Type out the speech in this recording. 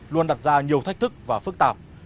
luôn đặt ra nhiều thách thức và phức tạp